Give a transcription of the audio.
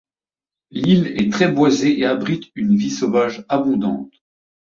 L'île est très boisée et abrite une vie sauvage abondante.